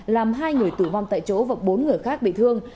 làm hai người tử vong tại chỗ và bốn người khác bị thương